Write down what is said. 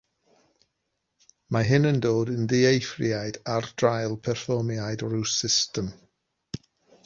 Mae hyn yn dod yn ddieithriad ar draul perfformiad rhyw system.